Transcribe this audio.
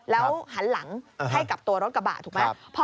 แล้วหันหลังให้กับตัวรถกระบะถูกไหม